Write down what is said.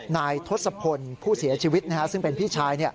นายทศพลผู้เสียชีวิตซึ่งเป็นพี่ชาย